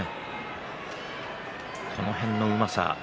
その辺のうまさ。